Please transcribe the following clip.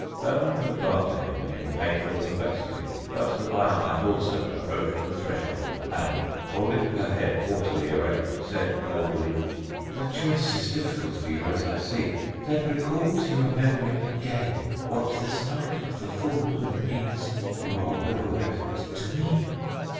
Hermon looked after him in painful perplexity, but the Biamite also approached the threshold, and holding her head haughtily erect, said coldly: "The choice is difficult for you, as I see. Then recall to your memory again what this night of the full moon means you are well aware of it to me.